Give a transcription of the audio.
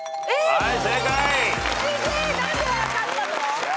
はい。